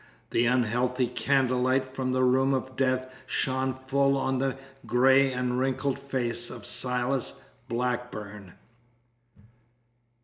The unhealthy candlelight from the room of death shone full on the gray and wrinkled face of Silas Blackburn.